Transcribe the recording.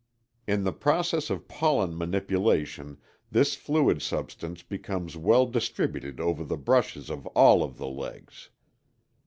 In the process of pollen manipulation this fluid substance becomes well distributed over the brushes of all of the legs.